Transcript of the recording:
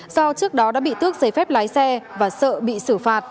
do trước đó đã bị tước giấy phép lái xe và sợ bị xử phạt